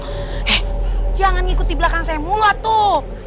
hei jangan ngikut di belakang saya mula tuh